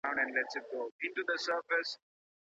د بریا دروازه یوازي د استعداد په کلۍ نه سي خلاصېدلای.